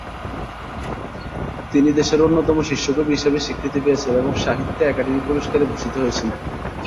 তিনি দেশের অন্যতম শীর্ষ কবি হিসাবে স্বীকৃতি পেয়েছেন এবং সাহিত্য আকাদেমি পুরস্কারে ভূষিত হয়েছেন।